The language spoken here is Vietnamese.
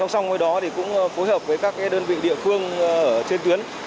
xong rồi đó cũng phối hợp với các đơn vị địa phương trên tuyến